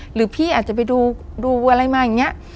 หรือพี่อาจจะไปดูอะไรมาอย่างนี้